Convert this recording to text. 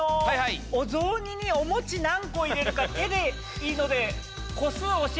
お雑煮にお餅何個入れるか手でいいので。